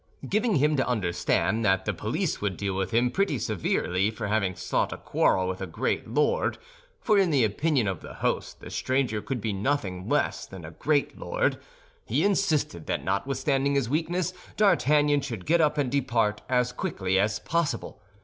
Giving him to understand that the police would deal with him pretty severely for having sought a quarrel with a great lord—for in the opinion of the host the stranger could be nothing less than a great lord—he insisted that notwithstanding his weakness D'Artagnan should get up and depart as quickly as possible.